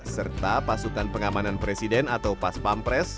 serta pasukan pengamanan presiden atau pas pampres